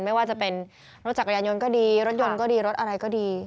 ไม่ว่าจะเป็นรถจักรยานยนต์ก็ดีรถยนต์ก็ดีรถอะไรก็ดี